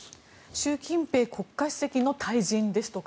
習近平国家主席の退陣ですとか